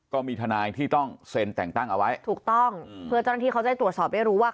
ก็มีทนายที่ต้องเซ็นแต่งตั้งเอาไว้ถูกต้องเพื่อเจ้าหน้าที่เขาจะตรวจสอบได้รู้ว่า